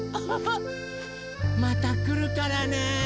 またくるからね！